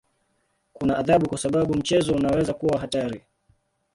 Kuna adhabu kwa sababu mchezo unaweza kuwa hatari.